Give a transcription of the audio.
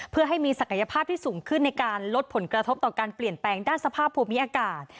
เพื่อให้มีศักยภาพที่สูงขึ้นในการลดผลกระทบต่อการเปลี่ยนแปลงด้านสภาพภูมิอากาศ